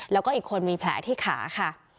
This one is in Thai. แล้วก็อีกคนมีแผลที่ขาค่ะ